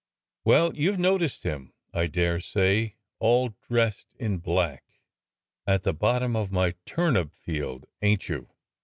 f^ Well, you've noticed him, I dare say, all dressed in black, at the bottom of my turnip field, ain't you?